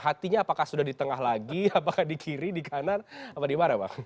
hatinya apakah sudah di tengah lagi apakah di kiri di kanan apa di mana bang